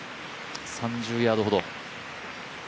３０ヤードほど。